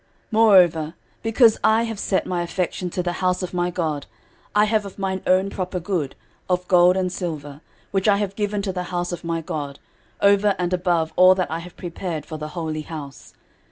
13:029:003 Moreover, because I have set my affection to the house of my God, I have of mine own proper good, of gold and silver, which I have given to the house of my God, over and above all that I have prepared for the holy house.